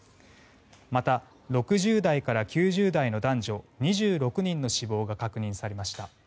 また、６０代から９０代の男女２６人の死亡が確認されました。